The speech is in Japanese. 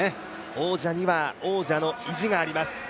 王者には王者の意地があります。